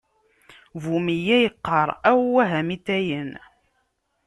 Bu meyya iqqaṛ: awah a mitayen!